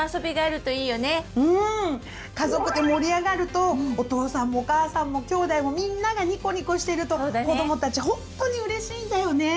家族で盛り上がるとお父さんもお母さんもきょうだいもみんながニコニコしてると子どもたちほんとにうれしいんだよね！